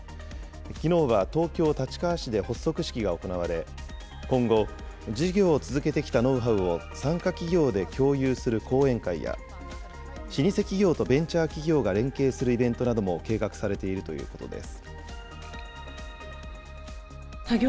きのうは東京・立川市で発足式が行われ、今後、事業を続けてきたノウハウを参加企業で共有する講演会や、老舗企業とベンチャー企業が連携するイベントなども計画されているということです。